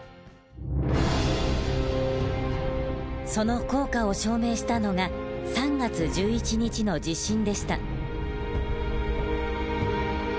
その効果を証明したのが３月１１日の地震でした。